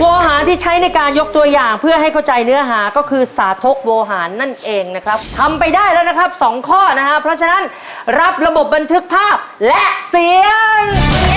อาหารที่ใช้ในการยกตัวอย่างเพื่อให้เข้าใจเนื้อหาก็คือสาธกโวหารนั่นเองนะครับทำไปได้แล้วนะครับสองข้อนะครับเพราะฉะนั้นรับระบบบันทึกภาพและเสียง